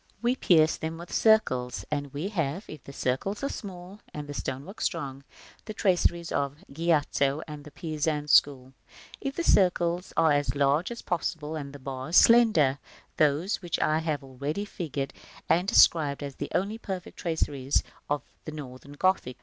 We pierce them with circles; and we have, if the circles are small and the stonework strong, the traceries of Giotto and the Pisan school; if the circles are as large as possible and the bars slender, those which I have already figured and described as the only perfect traceries of the Northern Gothic.